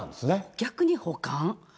逆に保管。